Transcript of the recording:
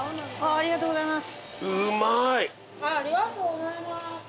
ありがとうございます。